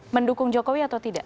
mendukung jokowi atau tidak